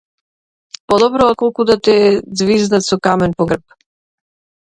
Подобро отколку да те ѕвизнат со камен по грб.